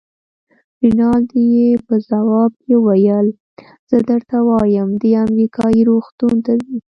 رینالډي یې په ځواب کې وویل: زه درته وایم، دی امریکایي روغتون ته ځي.